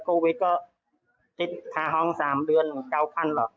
ถ้าไม่มีกินยังไงก็ต้องมาเมืองไทยอีกนั่นแหละ